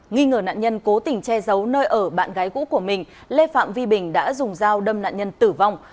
nghi ngờ nạn nhân cố tình che giấu nơi ở bạn gái cũ của mình lê phạm vi bình đã dùng dao đâm nạn nhân tử vong